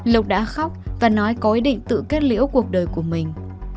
lộc đã khóc và nói có ý định tự kết liễu cuộc đời của mình